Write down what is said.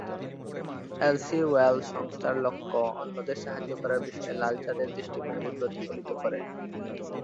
LC well সংস্থার লক্ষ্য অন্যদের সাহায্য করার বিষয়ে লাল চাঁদের দৃষ্টিভঙ্গি প্রতিফলিত করে।